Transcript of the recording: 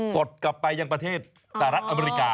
สดกลับไปยังประเทศสหรัฐอเมริกา